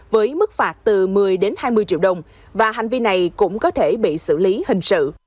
với mức phạt từ một mươi đến hai mươi triệu đồng và hành vi này cũng có thể bị xử lý hình sự